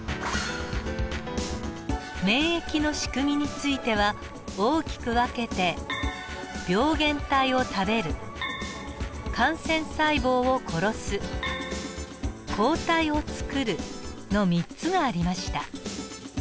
免疫のしくみについては大きく分けて「病原体を食べる」「感染細胞を殺す」「抗体をつくる」の３つがありました。